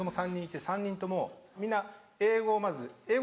３人いて３人ともみんな英語をまず。